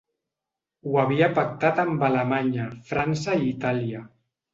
Ho havia pactat amb Alemanya, França i Itàlia.